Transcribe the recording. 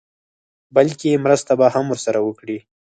بلکې مرسته به هم ورسره وکړي.